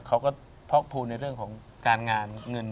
เขาก็พอกภูมิในเรื่องของการงานเงิน